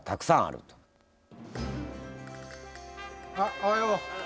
おはよう。